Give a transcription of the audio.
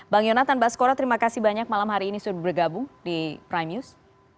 bang yonatan baskoro terima kasih banyak malam hari ini sudah bergabung di prime news